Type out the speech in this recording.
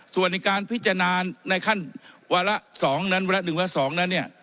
ส่วนในการพิจารณาในขั้นวาระ๒นั้นวาระ๑วาระ๒นั้นเนี่ย